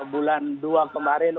bulan dua kemarin